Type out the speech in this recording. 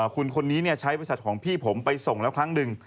คุณคนนี้ใช้บริษัทของพี่ผมไปส่งแล้วครั้งหนึ่ง